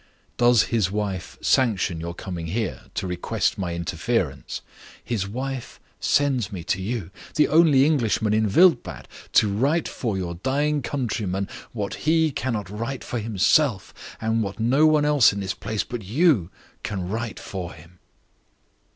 "Does his wife sanction your coming here to request my interference?" "His wife sends me to you the only Englishman in Wildbad to write for your dying countryman what he cannot write for himself; and what no one else in this place but you can write for him."